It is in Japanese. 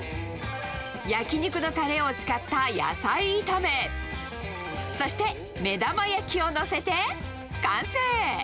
焼き肉のたれを使った野菜炒め、そして目玉焼きを載せて完成。